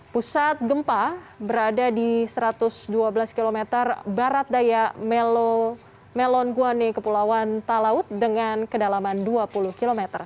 pusat gempa berada di satu ratus dua belas km barat daya melonguane kepulauan talaut dengan kedalaman dua puluh km